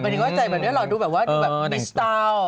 นี่หล่อนี่หล่อดูแบบมีสตาล